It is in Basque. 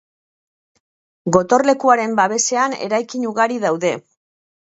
Gotorlekuaren babesean eraikin ugari daude.